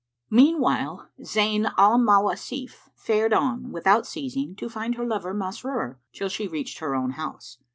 Meanwhile, Zayn al Mawasif fared on, without ceasing, to find her lover Masrur, till she reached her own house.